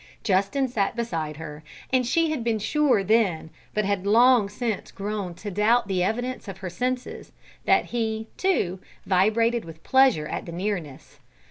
Justin sat beside her, and she had been sure then, but had long since grown to doubt the evidence of her senses, that he, too, vibrated with pleasure at the nearness.